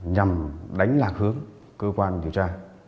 nhằm đánh lạc hướng cơ quan điều tra